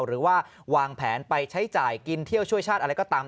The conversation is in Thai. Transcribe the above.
หรือว่าวางแผนไปใช้จ่ายกินเที่ยวช่วยชาติอะไรก็ตาม